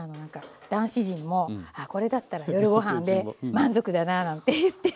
男子陣も「あこれだったら夜ご飯で満足だな」なんて言って。